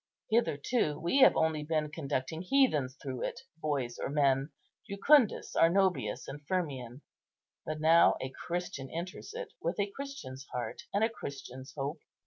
Hitherto we have only been conducting heathens through it, boys or men, Jucundus, Arnobius, and Firmian; but now a Christian enters it with a Christian's heart and a Christian's hope.